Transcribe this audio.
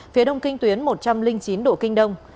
phía đông kinh tuyến một trăm linh chín độ kinh đông